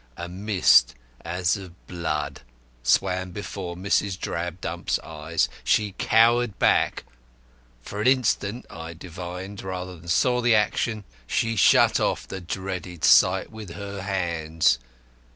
A mist as of blood swam before Mrs. Drabdump's eyes. She cowered back, for an instant (I divined rather than saw the action) she shut off the dreaded sight with her hands.